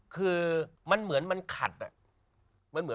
ทำไม